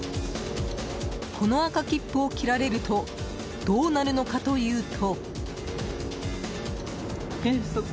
この赤切符を切られるとどうなるのかというと。